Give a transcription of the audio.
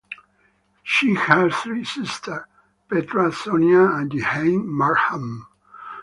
She has three sisters: Petra, Sonia, and Jehane Markham.